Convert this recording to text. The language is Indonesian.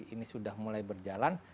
ini sudah mulai berjalan